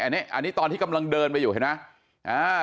อันนี้ตอนที่กำลังเดินไปอยู่เห็นไหม